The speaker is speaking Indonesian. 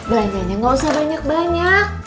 belanjanya gak usah banyak banyak